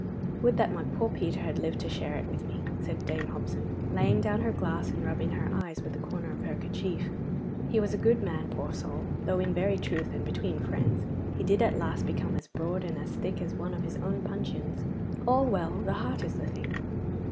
'Would that my poor Peter had lived to share it with me,' said Dame Hobson, laying down her glass, and rubbing her eyes with a corner of her kerchief. 'He was a good man, poor soul, though in very truth and between friends he did at last become as broad and as thick as one of his own puncheons. All well, the heart is the thing!